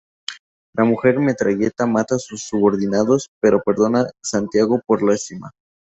La Mujer Metralleta mata a sus subordinados, pero perdona Santiago por lástima.